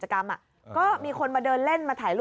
คุณผู้ชมถามมาในไลฟ์ว่าเขาขอฟังเหตุผลที่ไม่ให้จัดอีกที